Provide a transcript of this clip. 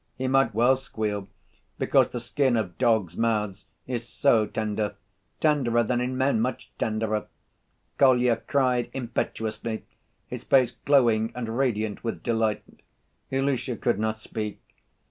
He might well squeal, because the skin of dogs' mouths is so tender ... tenderer than in men, much tenderer!" Kolya cried impetuously, his face glowing and radiant with delight. Ilusha could not speak.